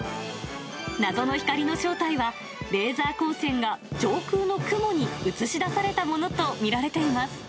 謎の光の正体は、レーザー光線が上空の雲に映し出されたものと見